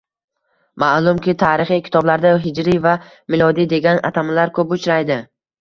Ma'lumki, tarixiy kitoblarda «hijriy» va «milodiy» degan atamalar ko‘p uchraydi